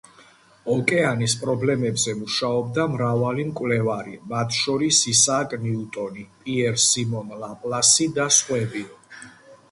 ოკეანის პრობლემებზე მუშაობდა მრავალი მკვლევარი, მათ შორის ისააკ ნიუტონი, პიერ სიმონ ლაპლასი და სხვები.